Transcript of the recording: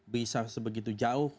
bisa sebegitu jauh